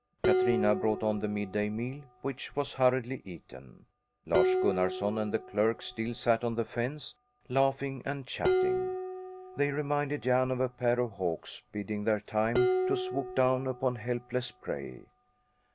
Katrina brought on the midday meal, which was hurriedly eaten. Lars Gunnarson and the clerk still sat on the fence, laughing and chatting. They reminded Jan of a pair of hawks biding their time to swoop down upon helpless prey.